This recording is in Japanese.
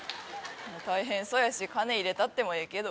まぁ大変そうやし金入れたってもええけど。